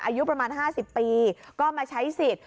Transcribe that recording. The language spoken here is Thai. อายุประมาณ๕๐ปีก็มาใช้สิทธิ์